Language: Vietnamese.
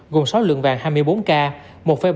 gồm sáu lượng vàng hai mươi bốn k